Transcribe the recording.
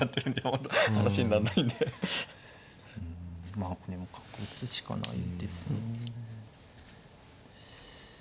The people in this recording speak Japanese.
まあこれも角打つしかないですね。